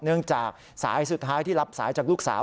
เนื่องจากสายสุดท้ายที่รับสายจากลูกสาว